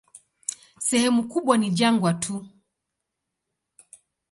Sehemu kubwa ni jangwa tu.